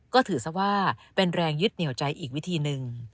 ก็ถือซะว่าเป็นแรงยึดเหนียวใจอีกวิธีหนึ่ง